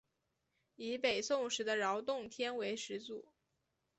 以北宋时的饶洞天为始祖。